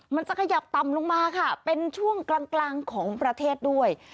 มันจะขยับต่ำลงมาค่ะเป็นช่วงกลางของประเทศด้วย